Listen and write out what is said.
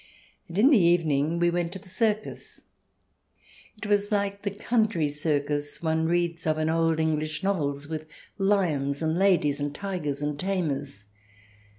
And in the evening we went to the circus. It was like the country circus one reads of in old English novels, with lions and ladies and tigers and tamers.